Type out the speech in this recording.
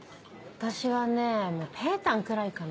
私はねぺーたんくらいかな？